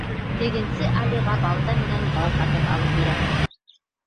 Тегенсе Алиға балта менән бау һатып алып бирә.